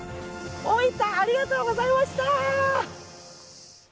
大分、ありがとうございました！